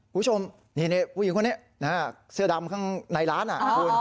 ผู้หญิงคนนี้เสื้อดำข้างในร้านอะ